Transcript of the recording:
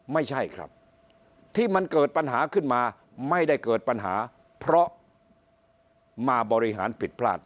ไม่ใช่ครับที่มันเกิดปัญหาขึ้นมาไม่ได้เกิดปัญหาเพราะมาบริหารผิดพลาด